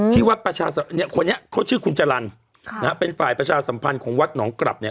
ที่วัดประชาสรรคเนี่ยคนนี้เขาชื่อคุณจรรย์เป็นฝ่ายประชาสัมพันธ์ของวัดหนองกลับเนี่ย